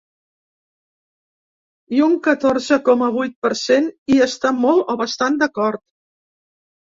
I un catorze coma vuit per cent hi està molt o bastant d’acord.